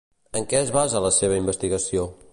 En què es basa la seva investigació?